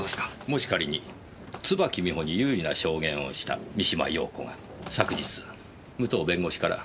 もし仮に椿美穂に有利な証言をした三島陽子が昨日武藤弁護士から。